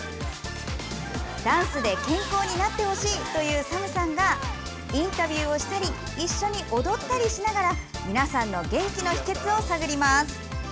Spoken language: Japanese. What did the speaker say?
ダンスで健康になってほしいというＳＡＭさんがインタビューをしたり一緒に踊ったりしながら皆さんの元気の秘けつを探ります。